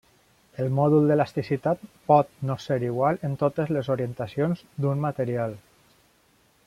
El mòdul d'elasticitat pot no ser igual en totes les orientacions d'un material.